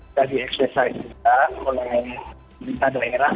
kita dieksersai juga oleh pemerintah daerah